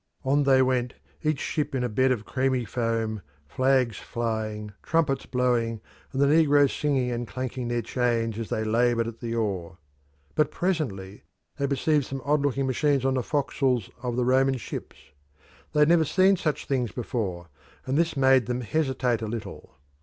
On they went, each ship in a bed of creamy foam, flags flying, trumpets blowing, and the negroes singing and clanking their chains as they laboured at the oar. But presently they perceived some odd looking machines on the forecastles of the Roman ships; they had never seen such things before, and this made them hesitate a little.